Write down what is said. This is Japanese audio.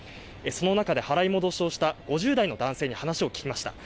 その中で払い戻しをした５０代の男性に話を聞きました。